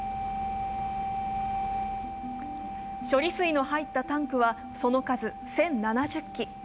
処理水の入ったタンクはその数１０７０基。